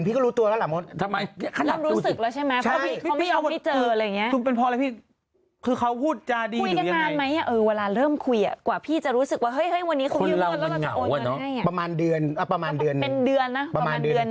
ประมาณเดือนนึง